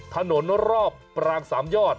ถนนรอบปราง๓ยอด